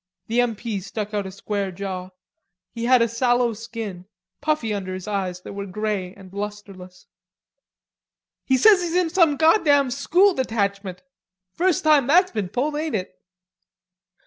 The M. P. stuck out a square jaw; he had a sallow skin, puffy under the eyes that were grey and lustreless. "He says he's in some goddam School Detachment. First time that's been pulled, ain't it?"